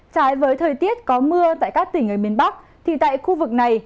trái với thời tiết có mưa tại các tỉnh ở miền bắc thì tại khu vực này